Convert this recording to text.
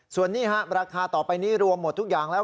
ส่วนนี้ครับราคาต่อไปนี้รวมหมดทุกอย่างแล้ว